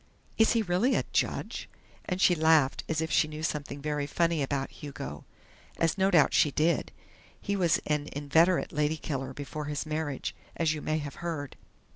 Is he really a judge?' and she laughed as if she knew something very funny about Hugo as no doubt she did. He was an inveterate 'lady killer' before his marriage, as you may have heard."